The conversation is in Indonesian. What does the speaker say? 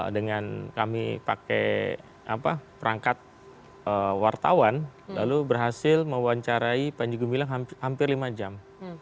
dengan kami pakai perangkat wartawan lalu berhasil mewawancarai panji gumilang hampir lima jam